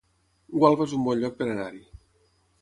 Gualba es un bon lloc per anar-hi